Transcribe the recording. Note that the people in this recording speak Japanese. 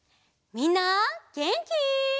みんなげんき？